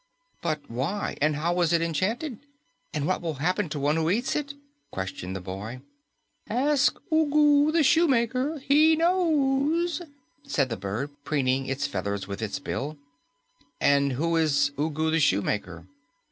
"But why? And how was it enchanted? And what will happen to one who eats it?" questioned the boy. "Ask Ugu the Shoemaker. He knows," said the bird, preening its feathers with its bill. "And who is Ugu the Shoemaker?"